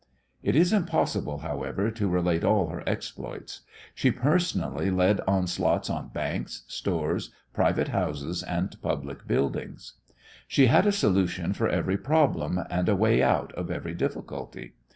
It is impossible, however, to relate all her exploits. She personally led onslaughts on banks, stores, private houses, and public buildings. She had a solution for every problem and a way out of every difficulty.